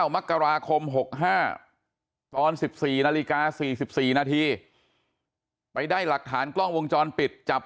มกราคม๖๕ตอน๑๔นาฬิกา๔๔นาทีไปได้หลักฐานกล้องวงจรปิดจับ